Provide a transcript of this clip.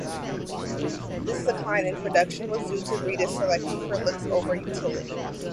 This decline in production was due to breeders selecting for looks over utility.